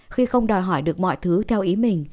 khi không đòi hỏi được mọi thứ theo ý mình